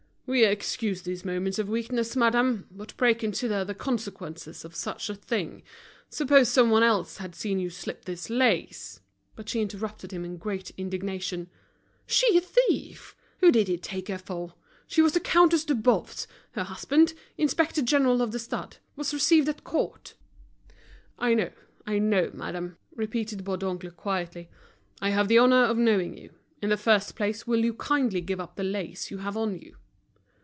"We excuse these moments of weakness, madame. But pray consider the consequences of such a thing. Suppose someone else had seen you slip this lace—" But she interrupted him in great indignation. She a thief! Who did he take her for? She was the Countess do Boves, her husband, Inspector General of the Stud, was received at Court. "I know, I know, madame," repeated Bourdoncle, quietly. "I have the honor of knowing you. In the first place, will you kindly give up the lace you have on you?"